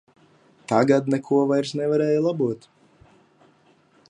Tagad neko vairs nevarēja labot.